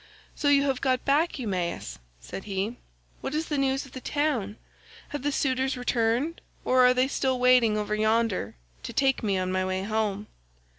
"So you have got back, Eumaeus," said he. "What is the news of the town? Have the suitors returned, or are they still waiting over yonder, to take me on my way home?"